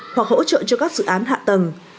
hỗ trợ cho các dự án hạ tầng